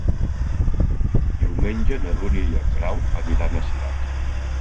Diumenge na Dúnia i en Grau aniran a Cirat.